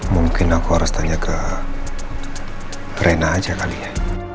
mungkin aku harus tanya ke rena aja kali ya